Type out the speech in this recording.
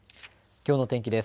きょうの天気です。